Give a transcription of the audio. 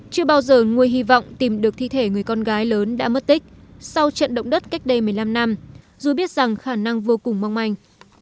chưa bao giờ nguôi hy vọng tìm được thi thể người con gái lớn đã mất tích sau trận động đất cách đây một mươi năm năm dù biết rằng khả năng vô cùng mong manh